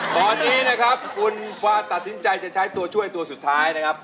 ตอนนี้นะครับคุณฟ้าตัดสินใจจะใช้ตัวช่วยตัวสุดท้ายนะครับ